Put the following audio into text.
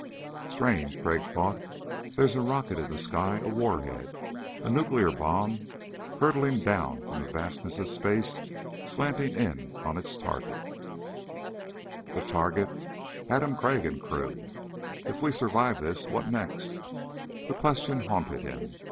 Strange, Crag thought, there's a rocket in the sky a warhead, a nuclear bomb hurtling down from the vastness of space slanting in on its target The target: Adam Crag and crew. If we survive this ... what next? The question haunted him.